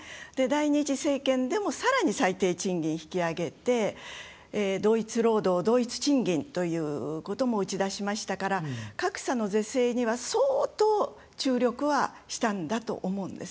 第２次政権でもさらに最低賃金引き上げて同一労働、同一賃金ということも打ち出しましたから格差の是正には相当注力はしたんだと思うんですね。